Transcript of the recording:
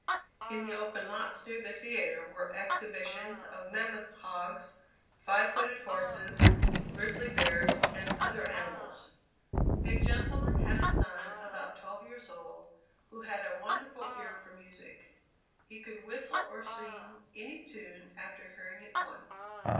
In the open lots near the theatre were exhibitions of mammoth hogs, five footed horses, grizzly bears, and other animals. A gentleman had a son about twelve years old, who had a wonderful ear for music. He could whistle or sing any tune after hearing it once.